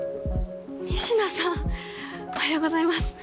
仁科さんおはようございます。